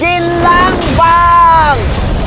กินล้างบาง